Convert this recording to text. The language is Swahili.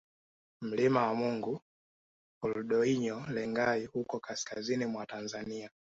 Mlima wa Mungu Ol Doinyo Lengai uko kaskazini mwa Tanzania